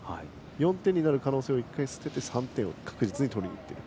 ４点になる可能性を１回捨てて３点を確実に取りにいっている。